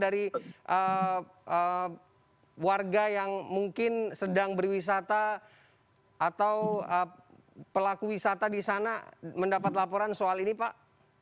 dari warga yang mungkin sedang berwisata atau pelaku wisata di sana mendapat laporan soal ini pak